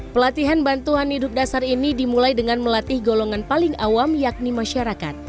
pelatihan bantuan hidup dasar ini dimulai dengan melatih golongan paling awam yakni masyarakat